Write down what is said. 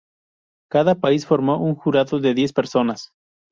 Cada país formó un jurado de diez personas.